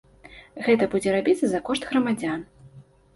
Гэта будзе рабіцца за кошт грамадзян.